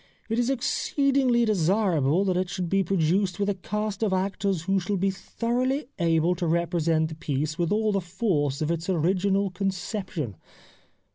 It is exceedingly desirable that it should be produced with a cast of actors who shall be thoroughly able to represent the piece with all the force of its original conception.'